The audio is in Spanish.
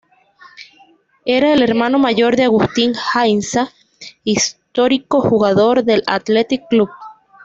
Era el hermano mayor de Agustín Gainza, histórico jugador del Athletic Club.